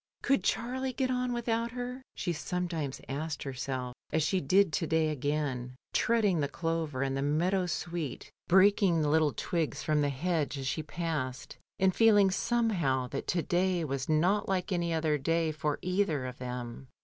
Could Charlie get on without her? she sometimes asked herself, as she did to day again, treading the clover and the meadow sweet, breaking the little twigs from the "A BOAT, A BOAT UNTO THE FERRY." 1 69 hedge as she passed, and feeling somehow that to day was not like any other day for either of them.